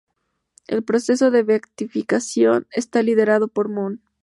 El proceso de beatificación está liderado por Mon.